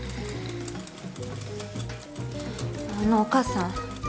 あのお母さん。